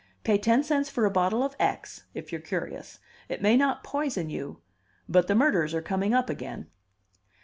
Pay ten cents for a bottle of X, if you're curious. It may not poison you but the murders are coming up again."